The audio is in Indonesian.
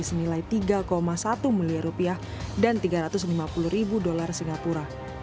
senilai tiga satu miliar rupiah dan tiga ratus lima puluh ribu dolar singapura